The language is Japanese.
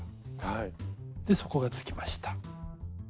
で底がつきました。